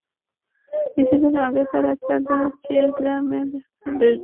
কিছুদিন আগে তারা চাঁদা চেয়ে গ্রামের বিত্তশালী ব্যক্তিদের কাছে চিঠি দিয়েছে।